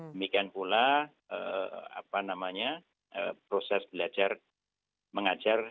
demikian pula proses belajar mengajar